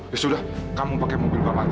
yaudah kamu pakai mobil bapak aja